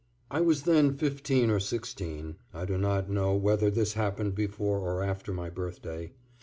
I was then fifteen or sixteen (I do not know whether this happened before or after my birthday).